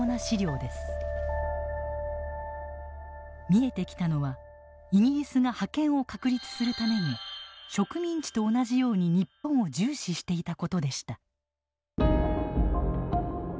見えてきたのはイギリスが覇権を確立するために植民地と同じように日本を重視していたことでした。